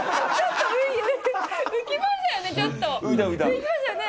浮きましたよね